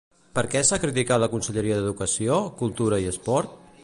Per què s'ha criticat la Conselleria d'Educació, Cultura i Esport?